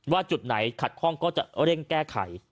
จุดไหนขัดข้องก็จะเร่งแก้ไข